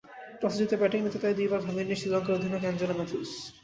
টসে জিতে ব্যাটিং নিতে তাই দুই বার ভাবেননি শ্রীলঙ্কার অধিনায়ক অ্যাঞ্জেলো ম্যাথুস।